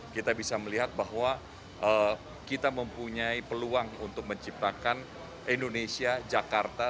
kita bisa melihat bahwa kita mempunyai peluang untuk menciptakan indonesia jakarta